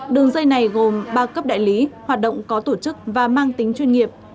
đường dây này gồm ba cấp đại lý hoạt động có tổ chức và mang tính chuyên nghiệp